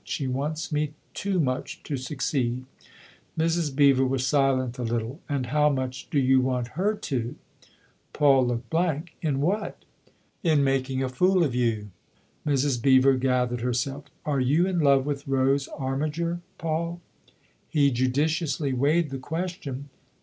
She wants me too much to succeed." Mrs. Beever was silent a little. "And how much do you want her to ?" Paul looked blank. " In what ?"" In making a fool of you." Mrs. Beever gathered herself. "Are you in love with Rose Armiger, Paul ?" He judiciously weighed the question.